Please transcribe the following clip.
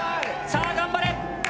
さあ頑張れ。